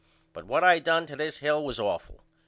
But what I done to this Hill was awful.